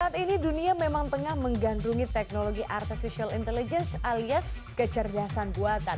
saat ini dunia memang tengah menggandrungi teknologi artificial intelligence alias kecerdasan buatan